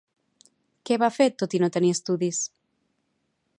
Què va fer tot i no tenir estudis?